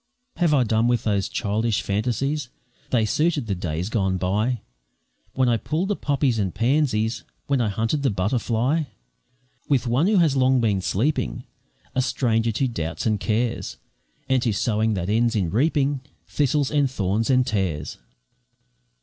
Have I done with those childish fancies? They suited the days gone by, When I pulled the poppies and pansies, When I hunted the butterfly, With one who has long been sleeping, A stranger to doubts and cares, And to sowing that ends in reaping Thistles, and thorns, and tares.